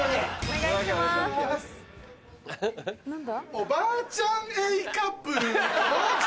おばあちゃん Ａ カップの登場